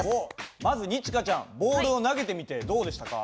まず二千翔ちゃんボールを投げてみてどうでしたか？